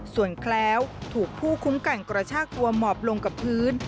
ส่วนแคล้วถูกผู้คุ้มกันกระชากตัวหมอบลงกับพื้น